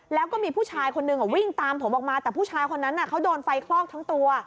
แล้วก็มีผู้ชายคนนึงวิ่งตามผมออกมาแต่ผู้ชายคนนั้นเขาโดนไฟคลอกทั้งตัว